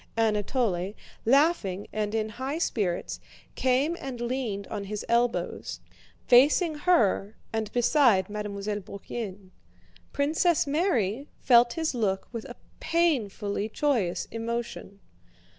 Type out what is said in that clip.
Anatole, laughing and in high spirits, came and leaned on his elbows, facing her and beside Mademoiselle Bourienne. Princess Mary felt his look with a painfully joyous emotion.